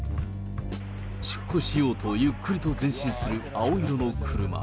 出庫しようとゆっくりと前進する青色の車。